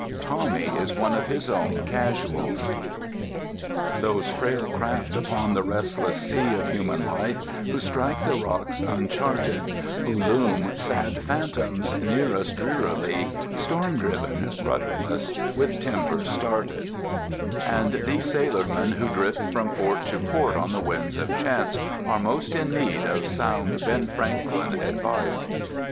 Tommy is one of his own "casuals"— —those frail craft upon the restless Sea Of Human Life, who strike the rocks uncharted, Who loom, sad phantoms, near us, drearily, Storm driven, rudderless, with timbers started— and these sailormen who drift from port to port on the winds of chance are most in need of sound Ben Franklin advice.